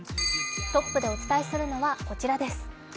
トップでお伝えするのはこちらです。